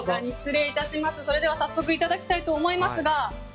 それでは早速いただきたいと思います。